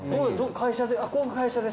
会社で？